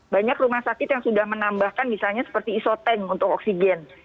banyak rumah sakit yang sudah menambahkan misalnya seperti iso tank untuk oksigen